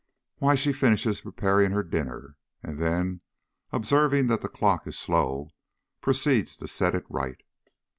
Why, she finishes preparing her dinner, and then, observing that the clock is slow, proceeds to set it right.